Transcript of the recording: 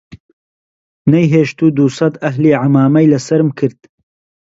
نەیهێشت و دووسەد ئەهلی عەمامەی لە سەرم کرد